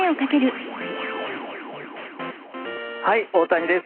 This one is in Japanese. はい大谷です。